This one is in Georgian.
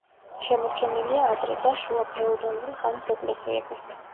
შემორჩენილია ადრე და შუაფეოდალური ხანის ეკლესიები.